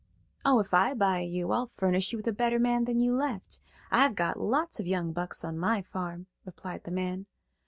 "Oh, if I buy you, I'll furnish you with a better man than you left. I've got lots of young bucks on my farm," replied the man.